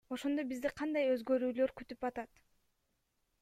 Ошондо бизди кандай өзгөрүүлөр күтүп атат?